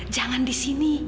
jangan di sini